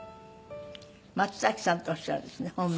松崎さんとおっしゃるんですね本名。